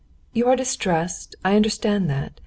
"You are distressed, I understand that.